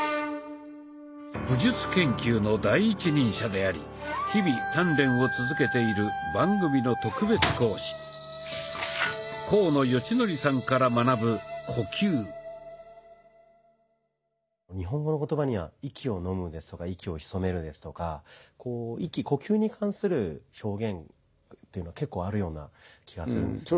武術研究の第一人者であり日々鍛錬を続けている番組の特別講師日本語の言葉には「息をのむ」ですとか「息を潜める」ですとかこう息呼吸に関する表現というのが結構あるような気がするんですけど。